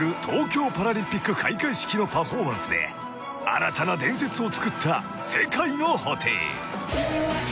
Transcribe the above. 東京パラリンピック開会式のパフォーマンスで新たな伝説をつくった世界の布袋］